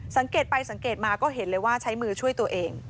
สังเกตไปสังเกตมาก็เห็นเลยว่าใช้มือช่วยตัวเอง